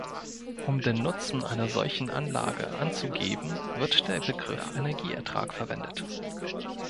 Um den Nutzen einer solchen Anlage anzugeben, wird der Begriff Energieertrag verwendet.